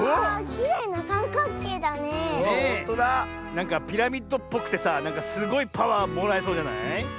なんかピラミッドっぽくてさすごいパワーもらえそうじゃない？